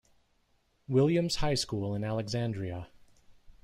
Williams High School in Alexandria.